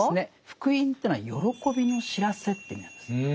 福音というのは喜びの知らせという意味なんです。